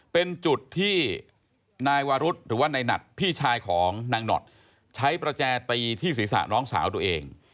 เป็นจุดที่นายวารุธหรือว่านายหนัดพี่ชายของนางหนอดใช้ประแจตีที่ศีรษะน้องสาวตัวเอง